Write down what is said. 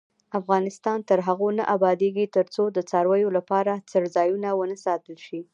افغانستان تر هغو نه ابادیږي، ترڅو د څارویو لپاره څړځایونه وساتل نشي.